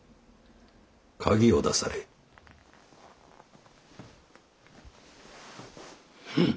鍵を出されい。